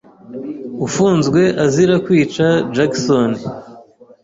Ufunzwe azira kwica Jackson.